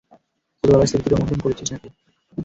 ছোটবেলার স্মৃতি রোমন্থন করছিস না-কি?